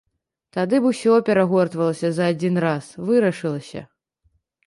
Тады б усё перагортвалася за адзін раз, вырашылася.